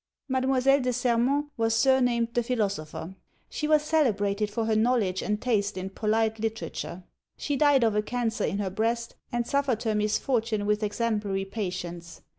Mademoiselle de Serment was surnamed the philosopher. She was celebrated for her knowledge and taste in polite literature. She died of a cancer in her breast, and suffered her misfortune with exemplary patience.